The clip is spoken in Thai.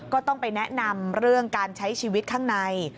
ก็ต้องไปแนะนำเรื่องการใช้ชีวิตข้างใน